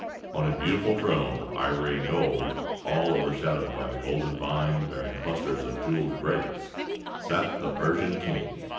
On a beautiful throne of ivory and gold, all overshadowed by a golden vine bearing clusters of jeweled grapes, sat the Persian king.